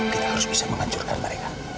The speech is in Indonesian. kita harus bisa menghancurkan mereka